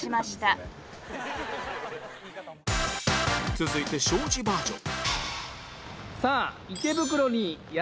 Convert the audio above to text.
続いて庄司バージョン